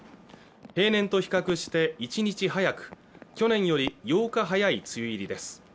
平年と比較して１日早く去年より８日早い梅雨入りです